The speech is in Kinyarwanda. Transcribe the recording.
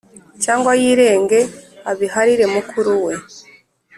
Cyangwa yirenge abirahire mukuru we